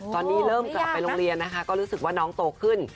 ตอนนี้เริ่มกลับไปโรงเรียนนะคะก็รู้สึกว่าน้องโตขึ้น